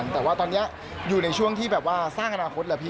แต่ว่าตอนนี้อยู่ในช่วงที่สร้างอนาคต